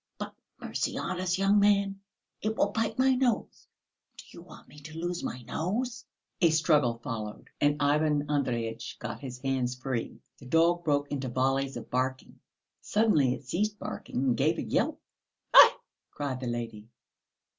"But mercy on us, young man, it will bite my nose. Do you want me to lose my nose?" A struggle followed, and Ivan Andreyitch got his hands free. The dog broke into volleys of barking. Suddenly it ceased barking and gave a yelp. "Aïe!" cried the lady.